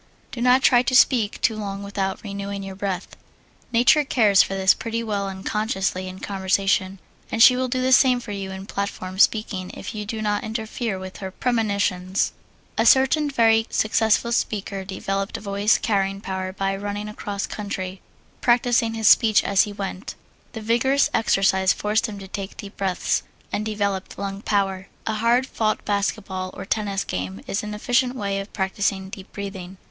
Do not try to speak too long without renewing your breath. Nature cares for this pretty well unconsciously in conversation, and she will do the same for you in platform speaking if you do not interfere with her premonitions. A certain very successful speaker developed voice carrying power by running across country, practising his speeches as he went. The vigorous exercise forced him to take deep breaths, and developed lung power. A hard fought basketball or tennis game is an efficient way of practising deep breathing.